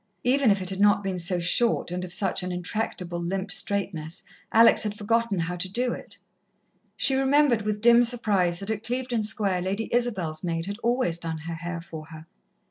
Even if it had not been so short and of such an intractable, limp straightness. Alex had forgotten how to do it. She remembered with dim surprise that at Clevedon Square Lady Isabel's maid had always done her hair for her.